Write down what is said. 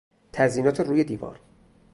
تزئینات روی دیوار